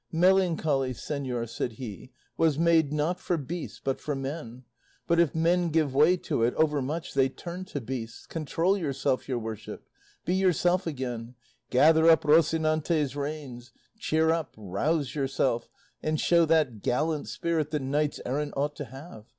"Melancholy, señor," said he, "was made, not for beasts, but for men; but if men give way to it overmuch they turn to beasts; control yourself, your worship; be yourself again; gather up Rocinante's reins; cheer up, rouse yourself and show that gallant spirit that knights errant ought to have.